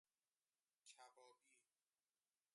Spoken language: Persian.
کبابی